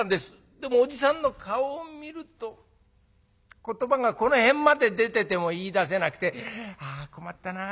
でもおじさんの顔を見ると言葉がこの辺まで出てても言いだせなくてああ困ったな。